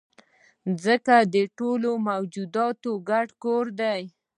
مځکه د ټولو موجوداتو ګډ کور دی.